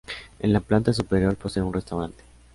En la planta superior posee un restaurante.